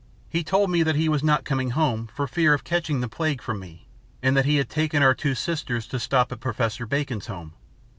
He told me that he was not coming home for fear of catching the plague from me, and that he had taken our two sisters to stop at Professor Bacon's home.